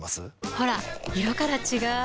ほら色から違う！